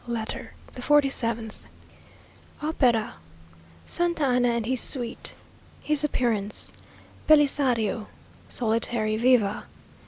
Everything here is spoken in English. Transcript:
LETTER THE FORTY SEVENTH Opera Santa Anna and his Suite His Appearance Belisario Solitary "_Viva!